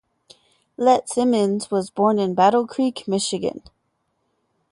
Lett-Simmons was born in Battle Creek, Michigan.